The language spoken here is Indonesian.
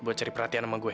buat cari perhatian sama gue